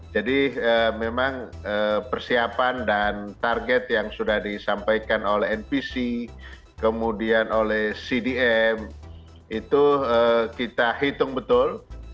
jadi memang persiapan dan target yang sudah disampaikan oleh npc kemudian oleh cdm itu kita hitung betul